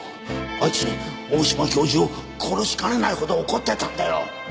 あいつ大島教授を殺しかねないほど怒ってたんだよ。